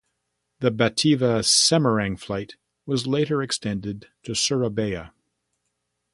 The Batavia-Semarang flight was later extended to Surabaya.